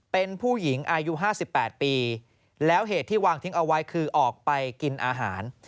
เป็นผู้หญิงอายุ๕๘ปีแล้วเหตุที่วางทิ้งเอาไว้คือออกไปกินอาหาร